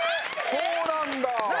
そうなんだ。